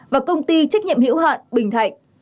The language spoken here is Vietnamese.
và công ty trách nhiệm hiểu hạn bình thạnh